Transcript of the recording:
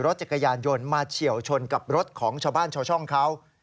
รถจักรยานยนต์มาเฉียวชนกับรถของชาวบ้านชาวช่องเขา